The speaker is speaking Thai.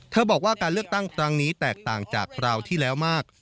บอกว่าการเลือกตั้งครั้งนี้แตกต่างจากคราวที่แล้วมาก